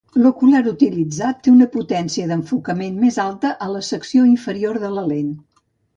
L"ocular utilitzat té una potència d"enfocament més alta a la secció inferior de la lent.